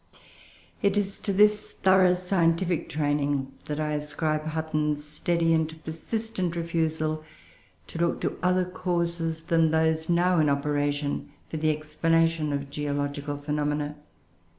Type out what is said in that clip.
It is to this thorough scientific training that I ascribe Hutton's steady and persistent refusal to look to other causes than those now in operation, for the explanation of geological phenomena.